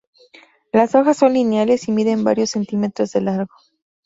Las hojas son lineales y miden varios centímetros de largo.